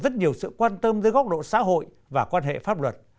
rất nhiều sự quan tâm dưới góc độ xã hội và quan hệ pháp luật